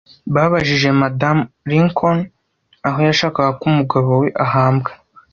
Babajije Madamu Lincoln aho yashakaga ko umugabo we ahambwa.